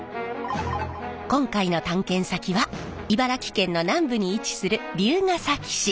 今回の探検先は茨城県の南部に位置する龍ケ崎市。